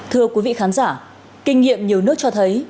thưa quý vị khán giả kinh nghiệm nhiều nước cho thấy